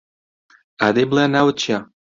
ئادەی بڵێ ناوت چییە؟